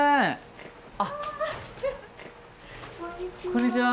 こんにちは。